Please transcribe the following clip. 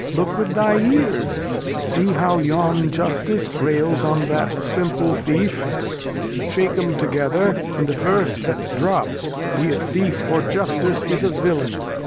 Look with thy Ears; see how yon Justice rails on that simple Thief ; shake 'em together, and the first that Drops, be it Thieif, or Justice, is a Villain.